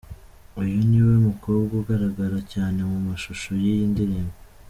Uyu niwe mukobwa ugaragara cyane mu mashusho y'iyi ndirimbo.